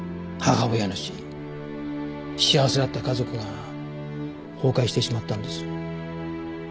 幸せだった家族が崩壊してしまったんです。